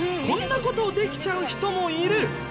こんな事をできちゃう人もいる！